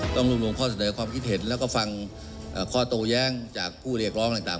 รวมรวมข้อเสนอความคิดเห็นแล้วก็ฟังข้อโตแย้งจากผู้เรียกร้องต่าง